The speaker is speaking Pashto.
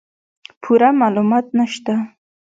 پوره معلومات نشته